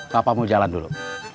papa mau jalan dulu